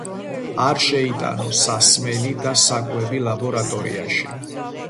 არ შეიტანო სასმელი და საკვები ლაბორატორიაში.